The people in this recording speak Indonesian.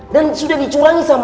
dan sudah dicurangi seharusnya